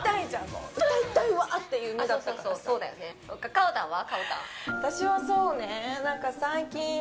かおたんは？